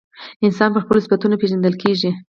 انسان پر خپلو صفتونو پیژندل کیږي.